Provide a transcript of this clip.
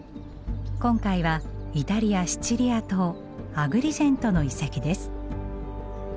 今回はイタリア・シチリア島アグリジェントの遺跡です。